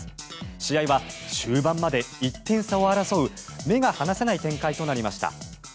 試合は終盤まで１点差を争う目が離せない展開となりました。